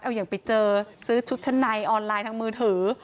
เอาอย่างไปเจอซื้อชุดชั้นในออนไลน์ทางมือถือ